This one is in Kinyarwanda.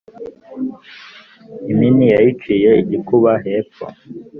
impini yaciye igikuba hepfo